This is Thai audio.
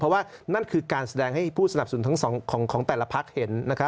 เพราะว่านั่นคือการแสดงให้ผู้สนับสนุนทั้งของแต่ละพักเห็น